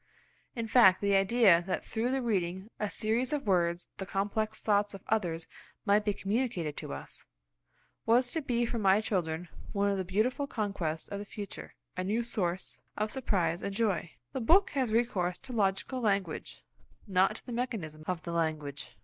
In fact, the idea that through the reading of a series of words the complex thoughts of others might be communicated to us, was to be for my children one of the beautiful conquests of the future, a new source of surprise and joy The book has recourse to logical language, not to the mechanism of the language.